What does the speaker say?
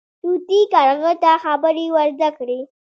طوطي کارغه ته خبرې ور زده کړې.